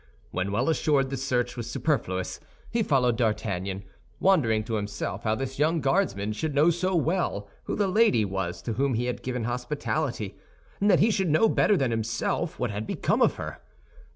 When well assured this search was superfluous, he followed D'Artagnan, wondering to himself how this young Guardsman should know so well who the lady was to whom he had given hospitality, and that he should know better than himself what had become of her.